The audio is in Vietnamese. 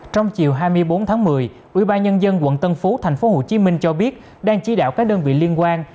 trong chiều hai mươi bốn tháng một mươi ubnd quận tân phú tp hcm cho biết đang chỉ đạo các đơn vị liên quan